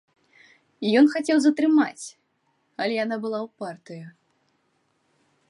Ён хацеў затрымаць, але яна была ўпартаю.